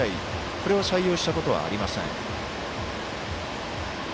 これを採用したことはありません。